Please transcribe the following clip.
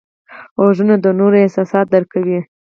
غوږونه د نورو احساسات درک کوي